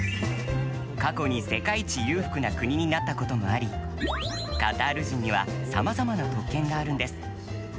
過去に世界一裕福な国になったこともありカタール人には様々な特権があるんです。